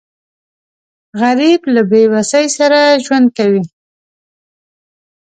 غریب له بېوسۍ سره ژوند کوي